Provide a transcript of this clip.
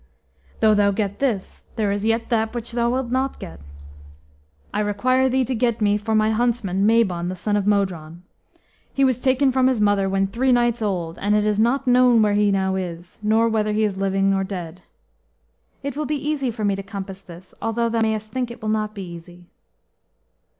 "Though thou get this, there is yet that which thou wilt not get. I require thee to get me for my huntsman Mabon, the son of Modron. He was taken from his mother when three nights old, and it is not known where he now is, nor whether he is living or dead." "It will be easy for me to compass this, although thou mayest think it will not be easy."